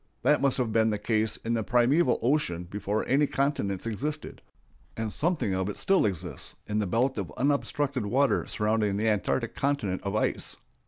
That must have been the case in the primeval ocean before any continents existed; and something of it still exists in the belt of unobstructed water surrounding the Antarctic continent of ice.